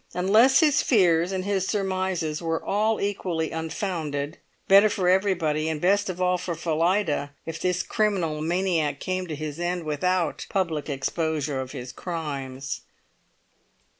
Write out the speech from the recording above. Unless his fears and his surmises were all equally unfounded, better for everybody, and best of all for Phillida, if this criminal maniac came to his end without public exposure of his crimes.